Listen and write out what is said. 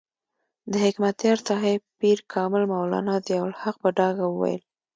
د حکمتیار صاحب پیر کامل مولانا ضیاء الحق په ډاګه وویل.